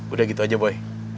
udah gitu aja boy